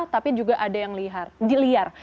tapi juga ada yang di liar